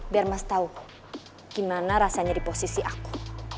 biar mas tau gimana rasanya di posisi aku